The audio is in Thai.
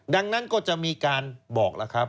ดังนั้นก็จะมีการบอกแล้วครับ